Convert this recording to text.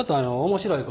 面白い？